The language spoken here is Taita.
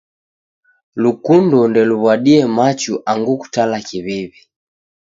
Lukundo ndeluw'adie machu angu kutala kiw'iw'i.